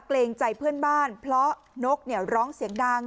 เกรงใจเพื่อนบ้านเพราะนกร้องเสียงดัง